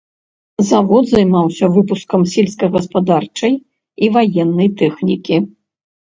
Завод займаўся выпускам сельскагаспадарчай і ваеннай тэхнікі.